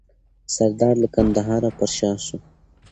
سردار له کندهار پر شا سو.